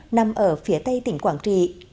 nằm ở phía tây tỉnh quảng trì